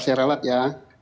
saya relak ya